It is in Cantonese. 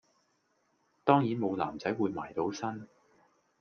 當然無男仔會埋到身